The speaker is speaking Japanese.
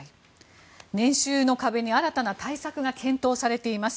年収の壁に新たな対策が検討されています。